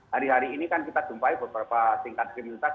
hari hari ini kan kita jumpai beberapa tingkat kriminalitas